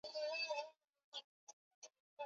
upande wa chini wa Ziwa Nyamagoma